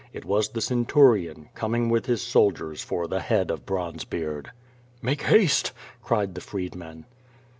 It was the centurion, coming with his soldiers for the head of Bronze beard. '*Make haste!'' cried the freedman.